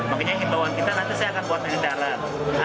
makanya kita tahu nanti saya akan buat hal hal